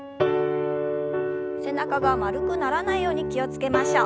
背中が丸くならないように気を付けましょう。